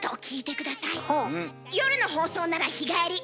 夜の放送なら日帰り。